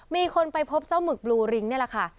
มีคนไปพบเจ้าหมึกบลูริงนี่แหละค่ะ